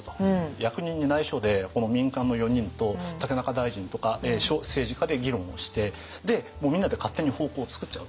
役人にないしょでこの民間の４人と竹中大臣とか政治家で議論をしてみんなで勝手に方向を作っちゃおうと。